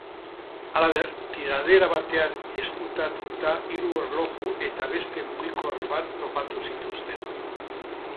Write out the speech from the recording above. Halaber, tiradera batean ezkutatuta hiru erloju eta beste mugikor bat topatu zituzten.